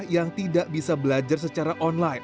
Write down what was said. yang tidak bisa belajar secara online